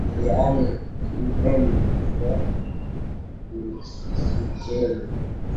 yaani kuumeni na kuukeni